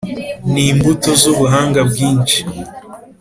ni imbuto z’ubuhanga bwinshi